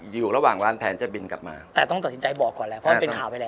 อยู่ระหว่างวางแผนจะบินกลับมาแต่ต้องตัดสินใจบอกก่อนแล้วเพราะมันเป็นข่าวไปแล้ว